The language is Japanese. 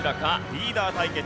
リーダー対決。